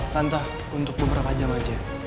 tantah untuk beberapa jam aja